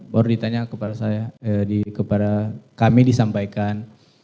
baru ditanya kepada kami disampaikan